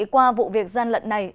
qua vụ việc gian lận này